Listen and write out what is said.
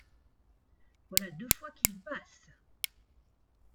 Voilà deux fois qu’ils passent.